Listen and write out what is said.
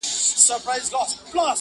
که دي قسمته ازلي وعده پښېمانه سوله!!